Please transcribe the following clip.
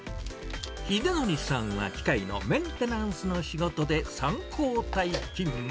ひでのりさんは、機械のメンテナンスの仕事で３交代勤務。